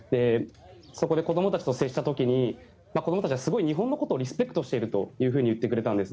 そこで子どもたちと接した時に子どもたちは日本のことをリスペクトしているというふうに言ってくれたんです。